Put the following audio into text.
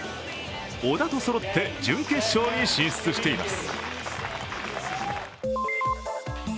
小田とそろって準決勝に進出しています。